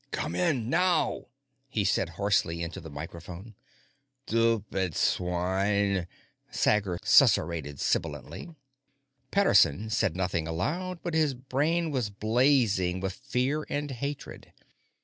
"Come in now!" he said hoarsely into the microphone. "Stupid swine!" Sager susurrated sibilantly. Pederson said nothing aloud, but his brain was blazing with fear and hatred.